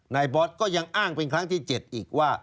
บอสก็ยังอ้างเป็นครั้งที่๗อีกว่า